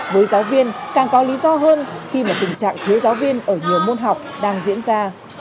với giáo viên càng có lý do hơn khi mà tình trạng thiếu giáo viên ở nhiều môn học đang diễn ra